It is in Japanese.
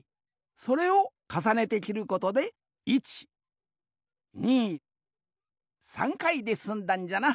それをかさねてきることで１２３回ですんだんじゃな。